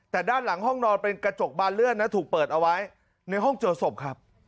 แต่ด้านหลังห้องนอนเป็นกระจกบานเลื่อนนะถูกเปิดเอาไว้ในห้องเจอศพครับ